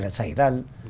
là xảy ra